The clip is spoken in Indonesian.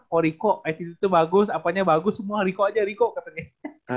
oh riko attitude itu bagus apanya bagus semua riko aja riko katanya